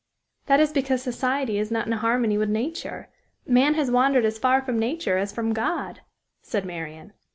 "That is because society is not in harmony with nature; man has wandered as far from nature as from God," said Marian.